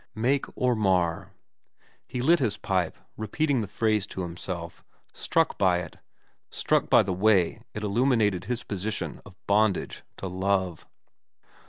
Make or mar. He lit his pipe, repeating the phrase to himself, struck by it, struck by the way it illuminated his position of bondage to love.